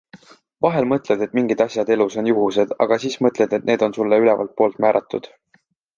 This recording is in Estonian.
Vahel mõtled, et mingid asjad elus on juhused, aga siis mõtled, et need on sulle ülevalt poolt määratud.